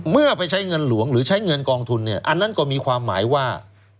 เมื่อไปใช้เงินหลวงหรือใช้เงินกองทุนเนี่ยอันนั้นก็มีความหมายว่า